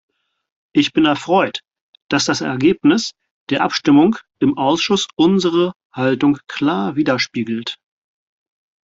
Ich bin erfreut, dass das Ergebnis der Abstimmung im Ausschuss unsere Haltung klar widerspiegelt.